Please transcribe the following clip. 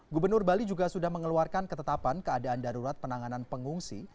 gubernur bali juga sudah mengeluarkan ketetapan keadaan darurat penanganan pengungsi